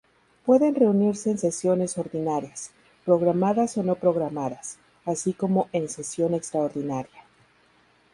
Pueden reunirse en sesiones ordinarias, programadas o no programadas, así como en sesión extraordinaria.